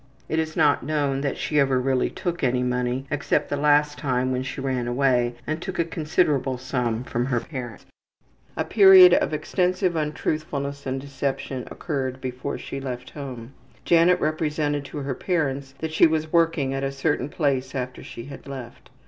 It is not known that she ever really took any money except the last time when she ran away and took a considerable sum from her parents. A period of extensive untruthfulness and deception occurred before she left home. Janet represented to her parents that she was working at a certain place after she had left.